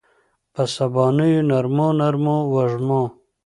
په سبانیو نرمو، نرمو وږمو